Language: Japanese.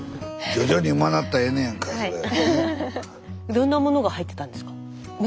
どんなものが入ってたんですか？